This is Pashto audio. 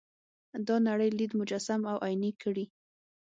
دا نړۍ لید مجسم او عیني کړي.